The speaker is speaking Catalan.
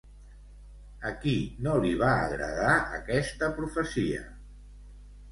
A qui no li va agradar aquesta profecia?